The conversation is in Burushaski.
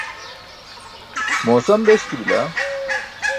moosam beśki bila?